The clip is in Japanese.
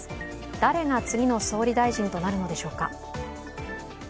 誰が次の総理大臣となるのでしょうか。